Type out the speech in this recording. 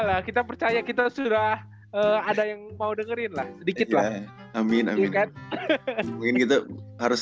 lah kita percaya kita sudah ada yang mau dengerin lah sedikit lah amin aja kan mungkin gitu harus